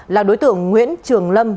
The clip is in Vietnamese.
là đối tượng nguyễn trường lâm